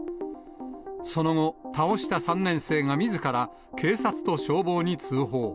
その後、倒した３年生がみずから警察と消防に通報。